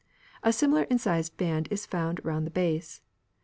A similar incised band is found round the base.